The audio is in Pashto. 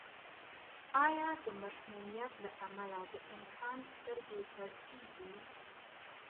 آیا د مسمومیت له امله د انسان سترګې پړسېږي؟